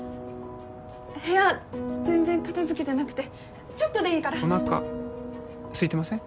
部屋全然片づけてなくてちょっとでいいからおなかすいてません？